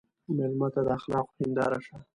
مېلمه ته د اخلاقو هنداره شه.